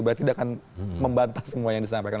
berarti tidak akan membantah semua yang disampaikan